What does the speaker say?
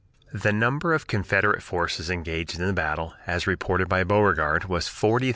The number of the Confederate forces engaged in the battle, as reported by Beauregard, was 40,955.